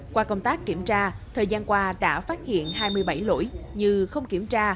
qua công tác kiểm tra thời gian qua đã phát hiện hai mươi bảy lỗi như không kiểm tra